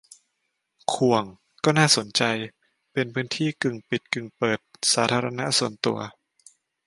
ข่วง ก็น่าสนใจ เป็นพื้นที่กึ่งปิดกึ่งเปิด สาธารณะ-ส่วนตัว